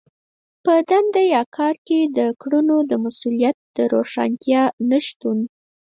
په دنده يا کار کې د کړنو د مسوليت د روښانتيا نشتون.